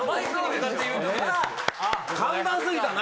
簡単過ぎたな。